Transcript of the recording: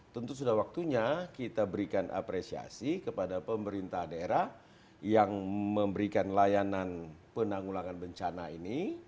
tentu sudah waktunya kita berikan apresiasi kepada pemerintah daerah yang memberikan layanan penanggulangan bencana ini